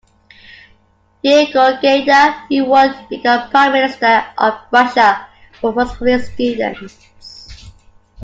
Yegor Gaidar, who would become Prime Minister of Russia, was one of his students.